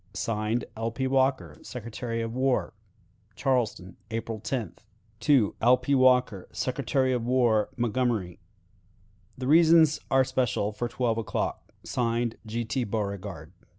(Signed) "L. P. Walker, Secretary of War." "Charleston, April 10th. "L. P. Walker, Secretary of War, Montgomery. "The reasons are special for twelve o'clock. (Signed) "G. T. Beauregard."